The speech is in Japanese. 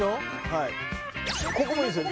はいここもいいんですよ